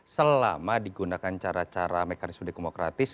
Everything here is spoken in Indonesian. selama digunakan cara cara mekanisme demokratis